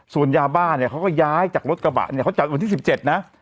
ส่วนยาบ้านเนี่ยเขาก็ย้ายจากรถกระบะเนี่ยเขาจับเหมือนที่สิบเจ็ดนะ